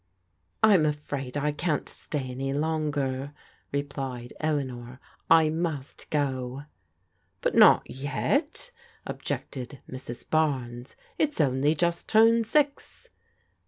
" I'm afraid I can't stay any longer," replied Eleanor. " I must go." " But not yet," objected Mrs. Barnes. '* It's only just turned six."